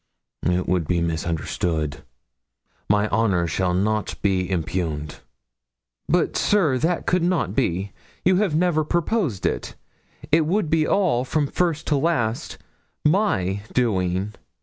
It would be misunderstood my honour shall not be impugned.' 'But, sir, that could not be; you have never proposed it. It would be all, from first to last, my doing.'